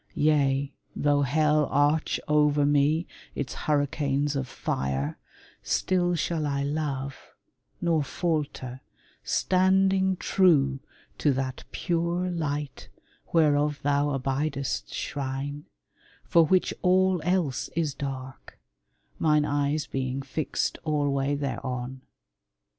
Yea, though hell Arch over me its hurricanes of fire, Still shall I love, nor falter, standing true To that pure light whereof thou abidest shrine, For which all else is dark, mine eyes being fixed Alway thereon.